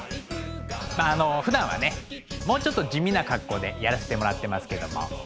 まああのふだんはねもうちょっと地味な格好でやらしてもらってますけれども。